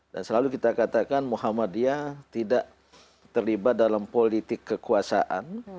dan selalu kita katakan muhammadiyah tidak terlibat dalam politik kekuasaan